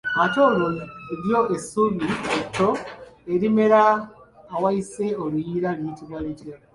Ate olwo lyo essubi etto erimera awayise oluyiira liyitibwa litya?